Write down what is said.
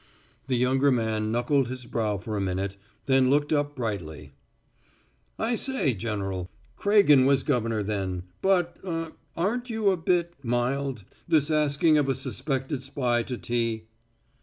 The younger man knuckled his brow for a minute, then looked up brightly. "I say, General, Craigen was governor then. But um aren't you a bit mild; this asking of a suspected spy to tea?"